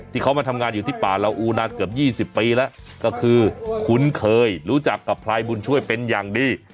ที่เขามาทำงานอยู่ที่ป่าลาอูนานเกือบ๒๐ปีแล้วก็คือคุ้นเคยรู้จักกับพลายบุญช่วยเป็นอย่างดี